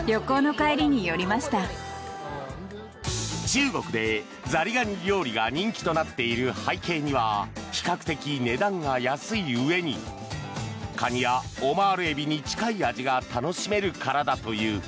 中国でザリガニ料理が人気となっている背景には比較的値段が安いうえにカニやオマールエビに近い味が楽しめるからだという。